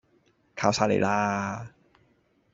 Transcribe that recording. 靠晒你啦